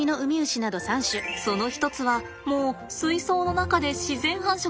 その一つはもう水槽の中で自然繁殖。